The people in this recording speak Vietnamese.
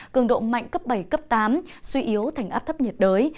cường độ mạnh cấp bảy cấp tám suy yếu thành áp thấp nhiệt đới